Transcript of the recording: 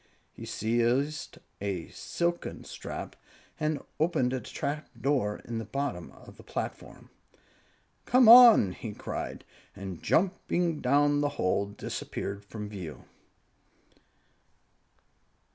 He seized a silken strap and opened a trap door in the top of the platform. "Come on!" he cried, and jumping down the hole, disappeared from view.